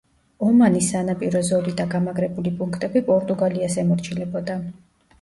ომანის სანაპირო ზოლი და გამაგრებული პუნქტები პორტუგალიას ემორჩილებოდა.